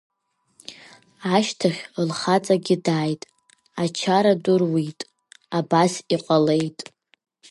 Ашьҭахь лхаҵагьы дааит, ачара ду руит, абас иҟалеит.